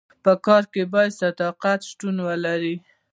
په کار کي باید صداقت شتون ولري.